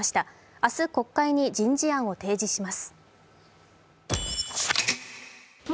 明日、国会に人事案を提示します。